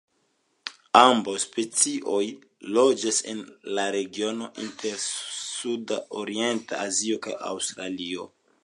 Ambaŭ specioj loĝas en la regiono inter sudorienta Azio kaj Aŭstralio.